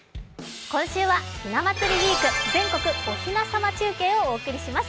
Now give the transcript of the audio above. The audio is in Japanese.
今週は「ひな祭りウイーク全国おひな様中継」をお送りします